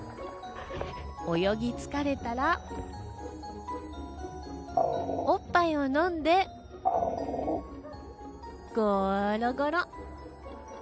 泳ぎ疲れたら、おっぱいを飲んで、ゴロゴロ。